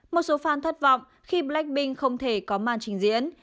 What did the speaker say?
một số fan thất vọng khi blackpink không thể có màn trình diễn